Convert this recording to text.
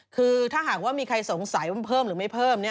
คือถ้าหากว่ามีใครสงสัยว่ามันเพิ่มหรือไม่เพิ่ม